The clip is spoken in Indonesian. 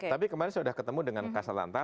tapi kemarin sudah ketemu dengan kasalanta